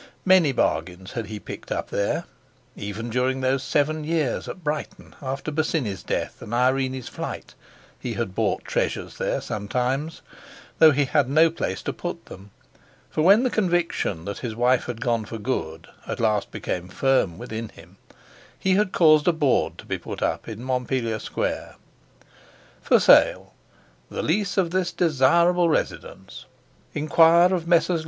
Many bargains had he picked up there. Even during those seven years at Brighton after Bosinney's death and Irene's flight, he had bought treasures there sometimes, though he had no place to put them; for when the conviction that his wife had gone for good at last became firm within him, he had caused a board to be put up in Montpellier Square: FOR SALE THE LEASE OF THIS DESIRABLE RESIDENCE Enquire of Messrs.